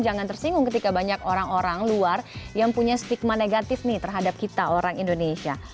jangan tersinggung ketika banyak orang orang luar yang punya stigma negatif nih terhadap kita orang indonesia